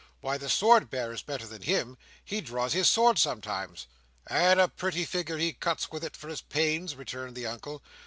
"Why, the Sword Bearer's better than him. He draws his sword sometimes." "And a pretty figure he cuts with it for his pains," returned the Uncle.